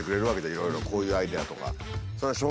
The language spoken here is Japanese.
いろいろこういうアイデアとか。